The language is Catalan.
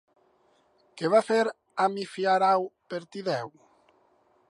Què va fer Amifiarau per Tideu?